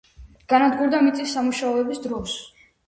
განადგურდა მიწის სამუშაოების დროს.